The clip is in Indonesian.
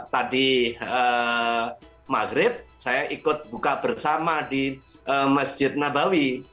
tadi maghrib saya ikut buka bersama di masjid nabawi